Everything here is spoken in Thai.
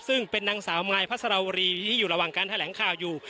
ซึ่งเป็นนางสาวมายพระสรวรีที่อยู่ระหว่างการแถลงข่าวอยู่